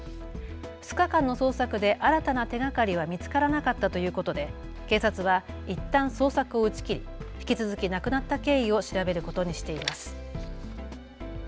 ２日間の捜索で新たな手がかりは見つからなかったということで警察はいったん捜索を打ち切り引き続き亡くなった経緯を調べることにしています。